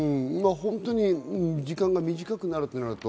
本当に時間が短くなるというのと。